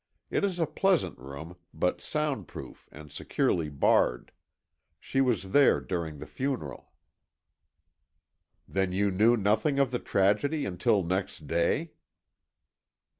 It is a pleasant room, but soundproof and securely barred. She was there during the funeral." "Then you knew nothing of the tragedy until next day?"